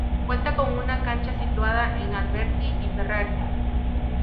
Cuenta con una Cancha situada en Alberti y Ferrari.